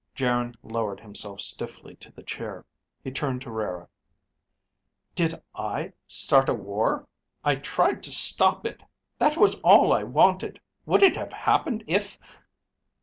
Geryn lowered himself stiffly to the chair. He turned to Rara. "Did I start a war? I tried to stop it. That was all I wanted. Would it have happened if